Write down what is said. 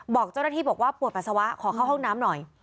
บอกเจ้าหน้าที่บอกว่าปวดปัสสาวะขอเข้าห้องน้ำหน่อย